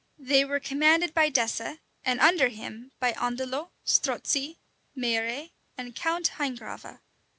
They were commanded by Dessé, and under him by Andelot, Strozzi, Meilleraye, and Count Rhingrave.